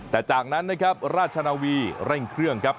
แต่จากนั้นนะครับราชนาวีเร่งเครื่องครับ